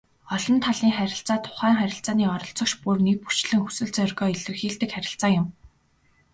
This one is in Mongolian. Олон талын харилцаа тухайн харилцааны оролцогч бүр нэгбүрчилсэн хүсэл зоригоо илэрхийлдэг харилцаа юм.